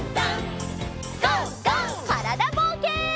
からだぼうけん。